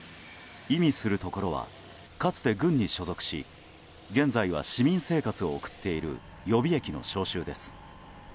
意味するところはかつて軍に所属し現在は市民生活を送っている予備役の招集です。